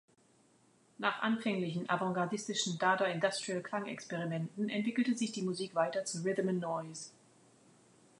Nach anfänglichen avantgardistischen Dada-Industrial-Klangexperimenten entwickelte sich die Musik weiter zu Rhythm ’n’ Noise.